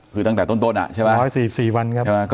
คือตั้งแต่ต้นแหละใช่มั้ยครับ๑๔๔วัน